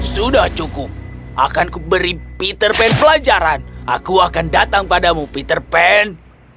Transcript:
sudah cukup akan kuberi peter pan pelajaran aku akan datang padamu peter pan